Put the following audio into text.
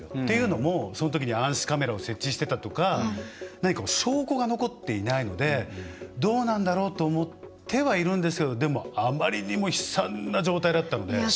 というのも、そのときに暗視カメラを設置してたとか証拠が残っていないのでどうなんだろうと思ってはいるんですけどあまりにも悲惨な状態だったので。